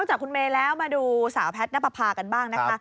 นอกจากคุณเมย์แล้วมาดูสาวแพทย์ณปภากันบ้างนะคะ